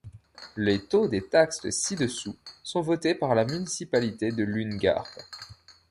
Les taux des taxes ci-dessous sont votés par la municipalité de Lunegarde.